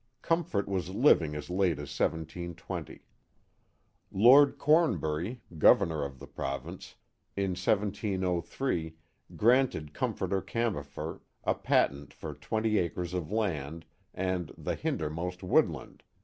Comfort was living as late as 17:30. Lord Cornbury, governor of the province, in 1703 granted Comforter Cambefort. a patent for twenty acres of land and the " hindermost woodland."